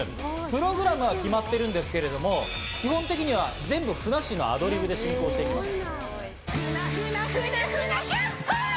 プログラムは決まっているんですが、基本的には全部ふなっしーのアドリブで進行していきます。